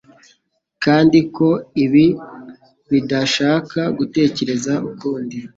kandi ko ibi bidashaka gutekereza ukundi